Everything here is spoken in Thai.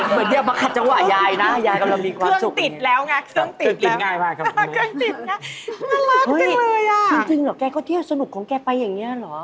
เฮ้ยจริงเหรอแกก็เที่ยวสนุกของแกไปอย่างนี้เหรอ